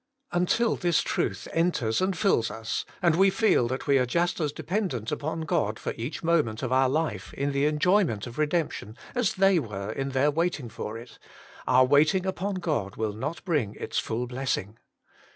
Until this truth enters and fills us, and we feel that we are just as dependent upon God for each moment of our life in the enjoyment of redemption as they were in their waiting for it, our waiting upon God will not bring its full blessing.